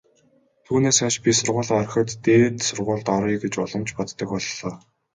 Түүнээс хойш би сургуулиа орхиод дээд сургуульд оръё гэж улам ч боддог боллоо.